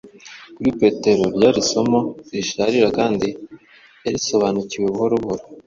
kuri petero ryari isomo risharira kandi yarisobanukiwe buhoro buhoro,